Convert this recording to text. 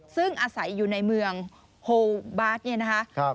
ซึ่งอาศัยอยู่ในเมืองโฮบาสเนี่ยนะคะ